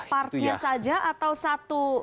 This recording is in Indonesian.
partnya saja atau satu